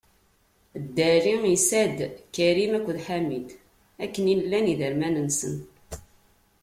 Dda Ɛli isɛa-d: Karim akked Ḥamid, akken i llan iderman-nsen.